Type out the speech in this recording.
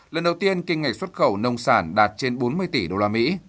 lần đầu tiên kim ngạch xuất khẩu nông sản đạt trên bốn mươi tỷ usd